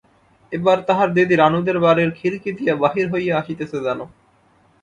এবার তাহার দিদি রানুদের বাড়ির খিড়কি দিয়া বাহির হইয়া আসিতেছে যেন।